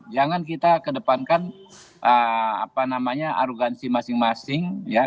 jangan kita kedepankan arogansi masing masing